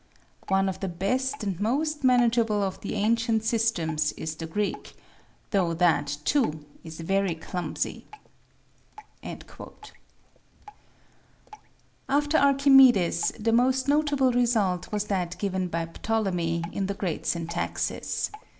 One of the best and most manage able of the ancient systems is the Greek, though that, too, is very clumsy." After Archimedes, the most notable result was that given by Ptolemy, in the " Great Syntaxis."